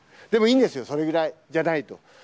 でもいいんですよ、それぐらいじゃないと。